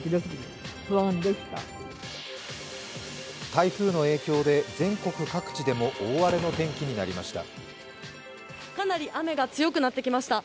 台風の影響で全国各地でも大荒れの天気となりました。